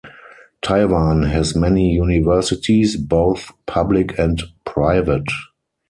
Taiwan has many universities, both public and private.